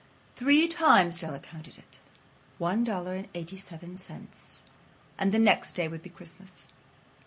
Three times Della counted it. One dollar and eighty seven cents. And the next day would be Christmas.